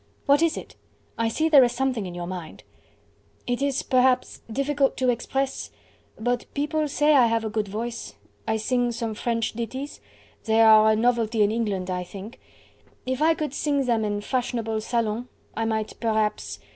What is it? I see there is something in your mind..." "It is perhaps difficult to express... but people say I have a good voice... I sing some French ditties... they are a novelty in England, I think.... If I could sing them in fashionable salons... I might perhaps..."